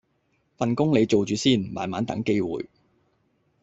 份工你做住先，慢慢等機會